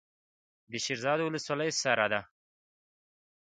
د شیرزاد ولسوالۍ سړه ده